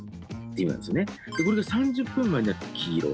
これで３０分前になると黄色。